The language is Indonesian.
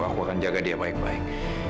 aku akan jaga dia baik baik